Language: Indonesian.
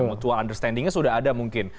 mutual understandingnya sudah ada mungkin